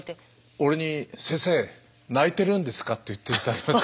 俺に「先生泣いてるんですか？」と言って頂けますか。